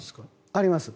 あります。